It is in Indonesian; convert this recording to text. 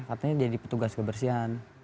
katanya jadi petugas kebersihan